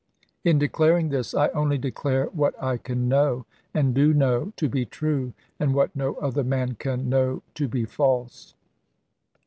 In declaring this I only declare what I can know, and do know, to be true, and what no other man can know to be false.